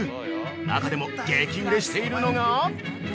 中でも、激売れしているのが！